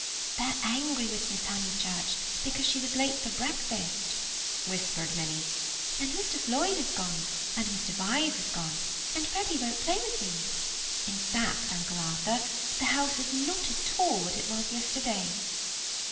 "They're angry with Miss Honeychurch because she was late for breakfast," whispered Minnie, "and Floyd has gone, and Mr. Vyse has gone, and Freddy won't play with me. In fact, Uncle Arthur, the house is not at all what it was yesterday."